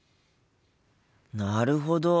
なるほど！